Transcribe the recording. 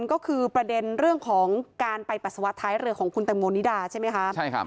ก็คือประเด็นเรื่องของการไปปัสสาวะท้ายเรือของคุณตังโมนิดาใช่ไหมคะ